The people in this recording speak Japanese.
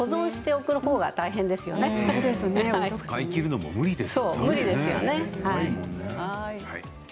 使い切るのも無理ですよね。